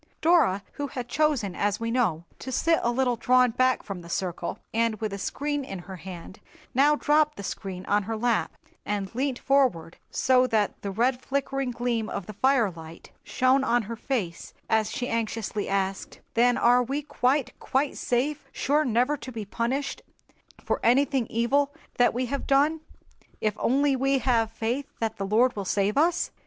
Dora, who had chosen, as we know, to sit a little drawn back from the circle, and with a screen in her hand, now dropped the screen on her lap, and leant forward, so that the red flickering gleam of the fire light shone on her face as she anxiously asked, "Then are we quite, quite safe, sure never to be punished for anything evil that we have done, if only we have faith that the Lord will save us?"